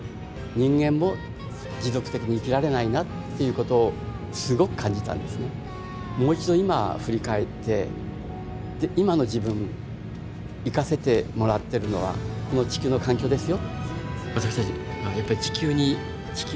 私が宇宙で感じたのはもう一度今振り返って今の自分生かせてもらってるのはこの地球の環境ですよ。